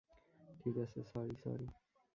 ঠিক আছে, sorry, sorry.